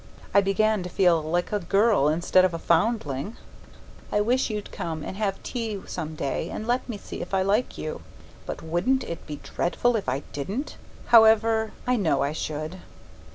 I begin to feel like a girl instead of a foundling. I wish you'd come and have tea some day and let me see if I like you. But wouldn't it be dreadful if I didn't? However, I know I should.